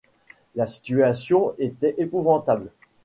La situation était épouvantable.